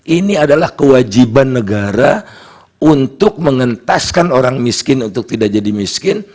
ini adalah kewajiban negara untuk mengentaskan orang miskin untuk tidak jadi miskin